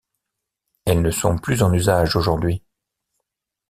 Elles ne sont plus en usage aujourd'hui.